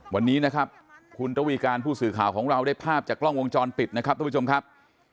วันนี้นะครับคุณระวีการผู้สื่อข่าวของเราได้ภาพจากกล้องวงจรปิดนะครับทุกผู้ชมครับ